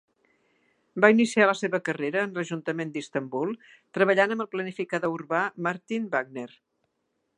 Va Iniciar la seva carrera en l'Ajuntament d'Istanbul, treballant amb el planificador urbà Martin Wagner.